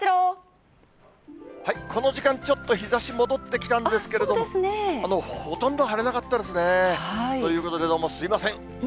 この時間、ちょっと日ざし戻ってきたんですけれども、ほとんど晴れなかったですね。ということで、どうもすみません。